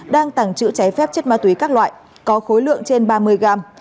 đang tàng trữ trái phép chất ma túy các loại có khối lượng trên ba mươi gram